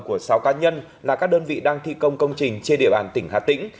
của sáu cá nhân là các đơn vị đang thi công công trình trên địa bàn tỉnh hà tĩnh